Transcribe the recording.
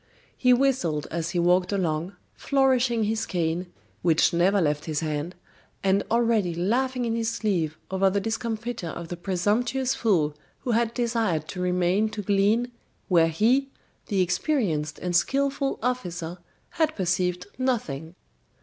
He whistled as he walked along, flourishing his cane, which never left his hand, and already laughing in his sleeve over the discomfiture of the presumptuous fool who had desired to remain to glean, where he, the experienced and skilful officer, had perceived nothing.